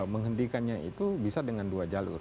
menghentikannya itu bisa dengan dua jalur